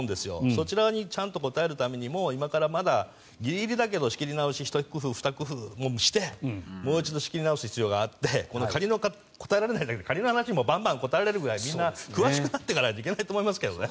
そちらにちゃんと応えるためにも今からまだギリギリだけど仕切り直しひと工夫してもう一度仕切り直す必要があって仮には答えられないって仮の話もバンバン答えれるぐらいみんな詳しくなってからじゃないと行けないと思いますけどね。